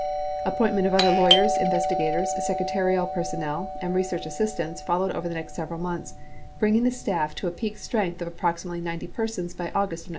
Appointment of other lawyers, investigators, secretarial personnel, and research assistants followed over the next several months, bring 1 f^l973 a P ea k strength of approximately 90 persons by August II.